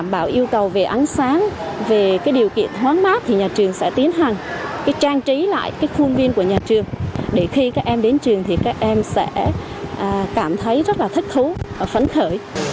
bảo yêu cầu về ánh sáng về cái điều kiện thoáng mát thì nhà trường sẽ tiến hành trang trí lại cái khuôn viên của nhà trường để khi các em đến trường thì các em sẽ cảm thấy rất là thích thú và phấn khởi